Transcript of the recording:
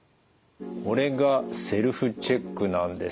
これがセルフチェックなんです。